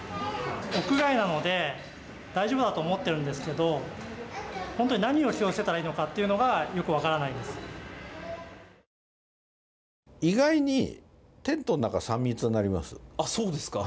屋外なので大丈夫だと思ってるんですけど、本当に何を気をつけたらいいのかっていうのがよく分か意外にテントの中、３密になあっ、そうですか。